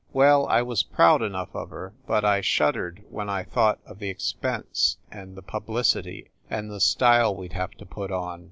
Well, I was proud enough of her, but I shud dered when I thought of the expense and the pub licity and the style we d have to put on.